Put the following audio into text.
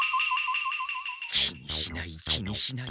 気にしない気にしない。